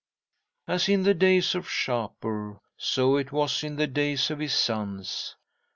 "'As in the days of Shapur, so it was in the days of his sons.